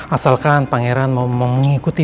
asalkan pangeran mau mengikuti